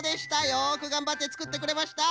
よくがんばってつくってくれました。